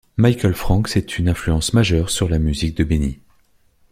Michael Franks est une influence majeure sur la musique de Benny.